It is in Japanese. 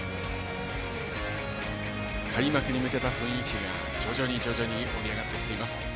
開幕に向けた雰囲気が徐々に盛り上がってきています。